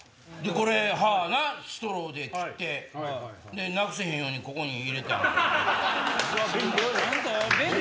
これ歯ストローで切ってなくせへんようにここに入れてあんねん。